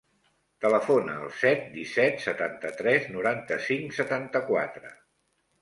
Telefona al set, disset, setanta-tres, noranta-cinc, setanta-quatre.